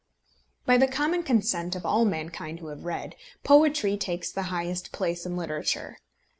By the common consent of all mankind who have read, poetry takes the highest place in literature.